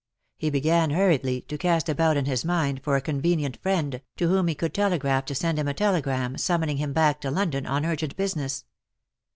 He began^ hurriedly, to cast about in his mind for a con venient friendj to whom he could telegraph to send him a telegram, summoning him back to London on urgent business.